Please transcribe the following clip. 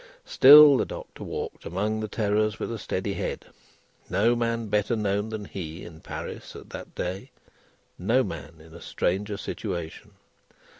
Still, the Doctor walked among the terrors with a steady head. No man better known than he, in Paris at that day; no man in a stranger situation.